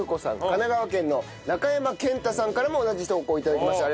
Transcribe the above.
神奈川県の中山健太さんからも同じ投稿を頂きました。